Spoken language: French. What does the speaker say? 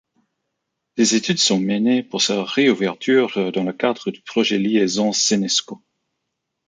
Des études sont menées pour sa réouverture dans le cadre du projet Liaison Seine-Escaut.